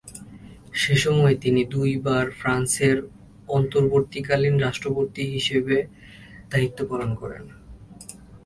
সেসময় তিনি দুইবার ফ্রান্সের অন্তর্বর্তীকালীন রাষ্ট্রপতি হিসেবে দায়িত্ব পালন করেন।